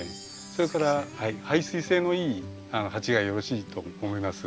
それから排水性のいい鉢がよろしいと思います。